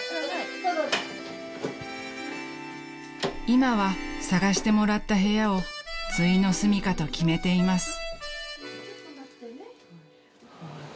［今は探してもらった部屋をついのすみかと決めています］